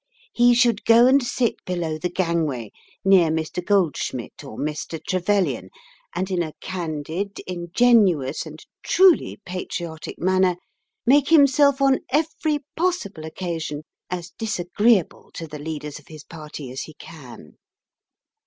He should go and sit below the gangway, near Mr Goldsmid or Mr. Trevelyan, and in a candid, ingenuous, and truly patriotic manner make himself on every possible occasion as disagreeable to the leaders of his party as he can.